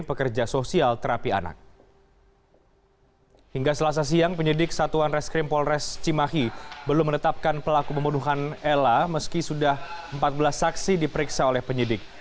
ella meski sudah empat belas saksi diperiksa oleh penyidik